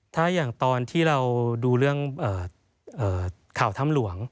ถ้าอย่างตอนที่เราดูเรื่องข่าวถ้ำหลวง